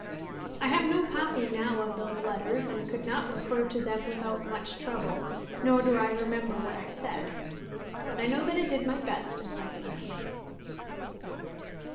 I have no copy now of those letters, and could not refer to them without much trouble; nor do I remember what I said. But I know that I did my best in writing them.